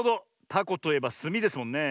タコといえばすみですもんね。